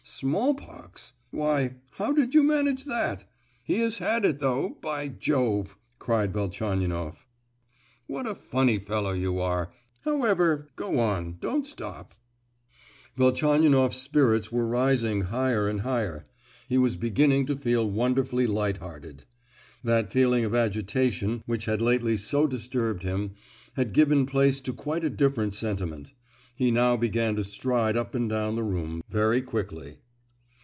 "Smallpox? why, how did you manage that?—he has had it, though, by Jove!" cried Velchaninoff. "What a funny fellow you are—however, go on, don't stop." Velchaninoff's spirits were rising higher and higher; he was beginning to feel wonderfully light hearted. That feeling of agitation which had lately so disturbed him had given place to quite a different sentiment. He now began to stride up and down the room, very quickly.